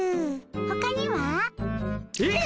ほかには？えっ？